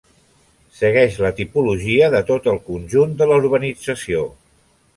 Segueix la tipologia de tot el conjunt de la urbanització.